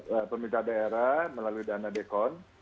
oleh pemerintah daerah melalui dana dekon